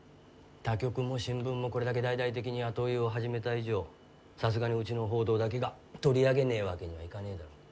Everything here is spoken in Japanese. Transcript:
他局も新聞もこれだけ大々的に後追いを始めた以上さすがにうちの報道だけが取り上げねぇわけにはいかねぇだろ。